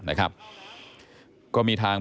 นะครับก็มีทาง